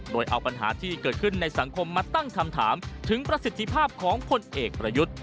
โดยเอาปัญหาที่เกิดขึ้นในสังคมมาตั้งคำถามถึงประสิทธิภาพของพลเอกประยุทธ์